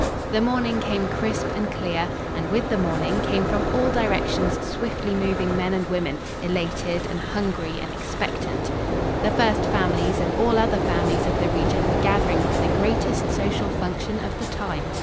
The morning came crisp and clear, and, with the morning, came from all directions swiftly moving men and women, elated and hungry and expectant. The first families and all other families of the region were gathering for the greatest social function of the time.